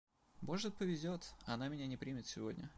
Может повезет, она меня не примет сегодня.